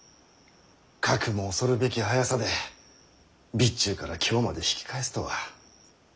かくも恐るべき速さで備中から京まで引き返すとは。